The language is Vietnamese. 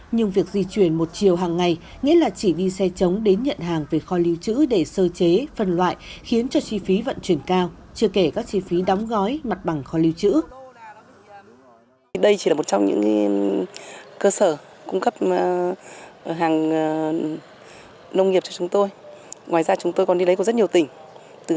nhưng việc di chuyển một chiều hàng ngày nghĩa là chỉ đi xe chống đến nhận hàng về kho lưu trữ để sơ chế phân loại khiến cho chi phí vận chuyển cao chưa kể các chi phí đóng gói mặt bằng kho lưu trữ